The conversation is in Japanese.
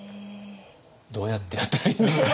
どうやってやったらいいんですか？